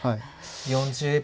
４０秒。